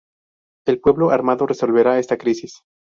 El pueblo armado resolverá esta crisis.